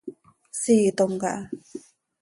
Siitom caha.